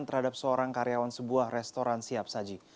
terhadap seorang karyawan sebuah restoran siap saji